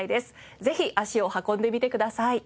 ぜひ足を運んでみてください。